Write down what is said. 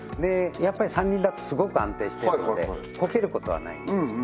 やっぱり三輪だとすごく安定してるのでコケることはないんですね